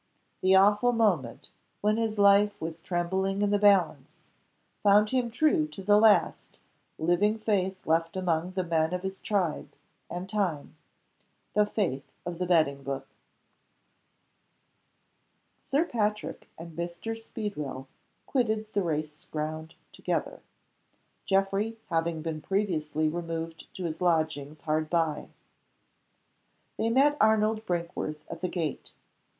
The awful moment, when his life was trembling in the balance, found him true to the last living faith left among the men of his tribe and time the faith of the betting book. Sir Patrick and Mr. Speedwell quitted the race ground together; Geoffrey having been previously removed to his lodgings hard by. They met Arnold Brinkworth at the gate.